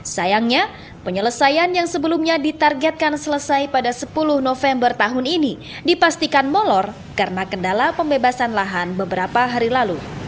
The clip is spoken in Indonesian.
sayangnya penyelesaian yang sebelumnya ditargetkan selesai pada sepuluh november tahun ini dipastikan molor karena kendala pembebasan lahan beberapa hari lalu